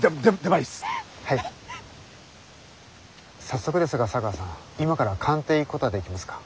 早速ですが茶川さん今から官邸へ行くことはできますか？